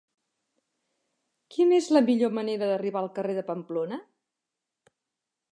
Quina és la millor manera d'arribar al carrer de Pamplona?